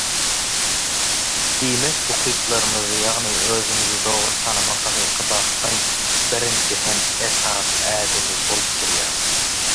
Diýmek ukyplarymyzy ýagny özümizi dogry tanamak hakyky bagtyň birinji hem esasy ädimi bolup durýar.